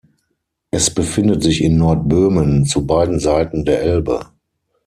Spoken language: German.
Es befindet sich in Nordböhmen zu beiden Seiten der Elbe.